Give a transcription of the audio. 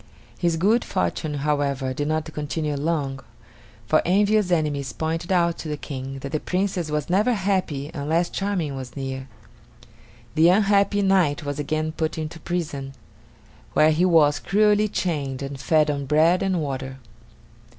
His good fortune, however, did not continue long, for envious enemies pointed out to the King that the Princess was never happy unless Charming was near. The unhappy knight was again put into prison, where he was cruelly chained and fed on bread and water.